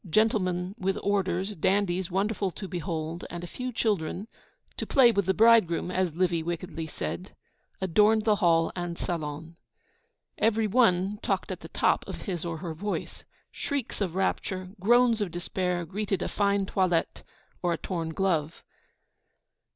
Gentlemen with orders, dandies wonderful to behold, and a few children (to play with the bridegroom, as Livy wickedly said), adorned the hall and salon. Every one talked at the top of his or her voice. Shrieks of rapture, groans of despair, greeted a fine toilette or a torn glove.